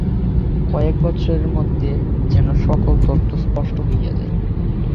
কয়েক বৎসরের মধ্যে যেন সকল তত্ত্ব স্পষ্ট হইয়া যায়।